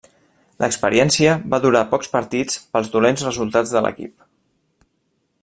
L'experiència va durar pocs partits pels dolents resultats de l'equip.